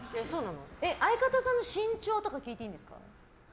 相方さんの身長とか聞いていいですか？